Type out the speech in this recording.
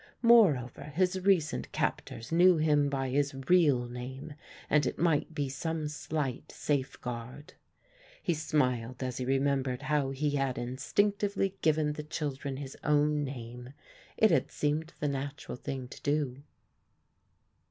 Moreover his recent captors knew him by his real name and it might be some slight safeguard. He smiled as he remembered how he had instinctively given the children his own name. It had seemed the natural thing to do.